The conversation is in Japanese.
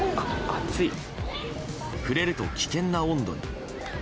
触れると危険な温度に。